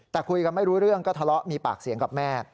แต่คุยกันไม่รู้เรื่องก็ทะเลาะมีปากเสียงกับแม่